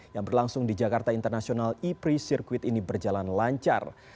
yang berlangsung di jakarta international e pri circuit ini berjalan lancar